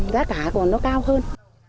rác cả còn nó cao hơn